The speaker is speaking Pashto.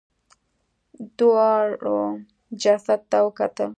دواړو جسد ته وکتل.